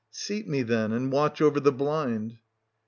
Seat me, then, and watch over the blind.